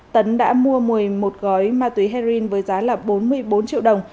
tấn đã mua một mươi một gói ma túy heroin với giá là bốn mươi bốn triệu đồng